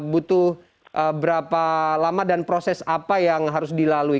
butuh berapa lama dan proses apa yang harus dilalui